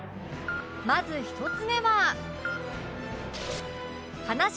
まず１つ目は